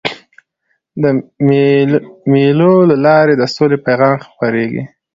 د مېلو له لاري د سولي پیغام خپرېږي.